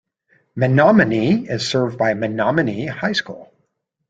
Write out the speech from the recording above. Menomonie is served by Menomonie High School.